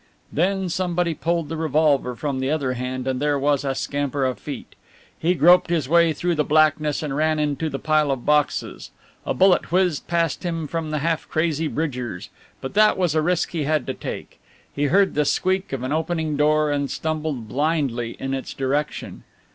Then somebody pulled the revolver from the other hand and there was a scamper of feet. He groped his way through the blackness and ran into the pile of boxes. A bullet whizzed past him from the half crazy Bridgers, but that was a risk he had to take. He heard the squeak of an opening door and stumbled blindly in its direction.